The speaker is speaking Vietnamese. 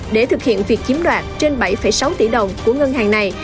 để thực hiện việc chiếm đoạt trên bảy sáu tỷ đồng của ngân hàng này